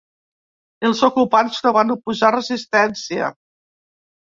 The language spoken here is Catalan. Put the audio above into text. Els ocupants no van oposar resistència